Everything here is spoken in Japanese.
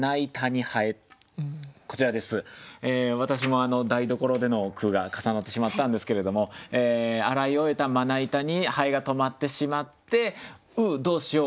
私も台所での句が重なってしまったんですけれども洗い終えたまな板に蠅が止まってしまって「うっどうしよう